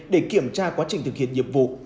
để kiểm tra quá trình thực hiện nhiệm vụ